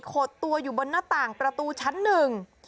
ดตัวอยู่บนหน้าต่างประตูชั้นหนึ่ง